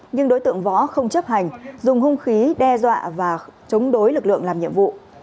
nhưng đối tượng võ không chấp hành dùng hung khí đe dọa và chống đối lực lượng làm nhiệm vụ